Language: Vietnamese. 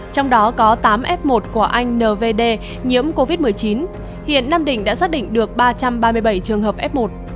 trong đó có tám f một của anh nvd nhiễm covid một mươi chín hiện nam định đã xác định được ba trăm ba mươi bảy trường hợp f một